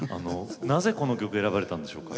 なぜ、この曲を選ばれたんでしょうか。